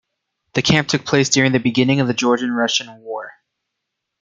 The camp took place during the beginning of the Georgian-Russian war.